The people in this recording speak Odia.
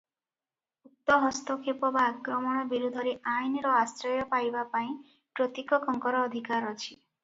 ଉକ୍ତ ହସ୍ତକ୍ଷେପ ବା ଆକ୍ରମଣ ବିରୁଦ୍ଧରେ ଆଇନର ଆଶ୍ରୟ ପାଇବା ପାଇଁ ପ୍ରତ୍ୟେକଙ୍କର ଅଧିକାର ଅଛି ।